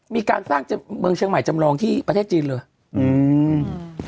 มีการสร้างเมืองเชียงใหม่จำลองที่ประเทศจีนเลยอืม